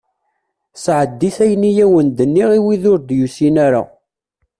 Sɛeddi-t ayen i awen-d-nniɣ i wid ur d-yusin ara.